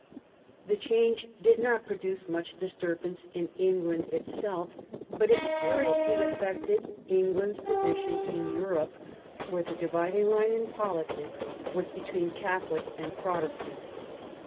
The change did not produce much disturbance in England itself, but it seriously affected England's position in Europe, where the dividing line in politics was between Catholic and Protestant.